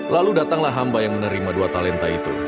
lalu datanglah hamba yang menerima dua talenta itu